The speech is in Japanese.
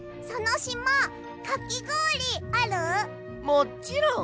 もちろん。